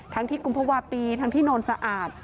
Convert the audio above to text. ที่กุมภาวะปีทั้งที่โนนสะอาด